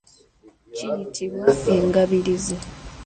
Kiyitibwa engabirizi.